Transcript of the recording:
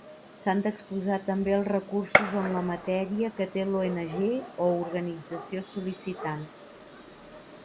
S'han d'exposar també els recursos en la matèria que té l'ONG o organització sol·licitant.